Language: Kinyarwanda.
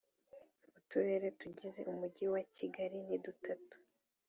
uturere tugize umujyi wa Kigali ni dutatu